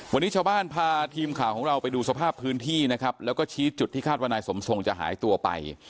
วันนี้ชาวบ้านพาทีมข่าวของเราไปดูสภาพพื้นที่นะครับแล้วก็ชี้จุดที่คาดว่านายสมทรงจะหายตัวไป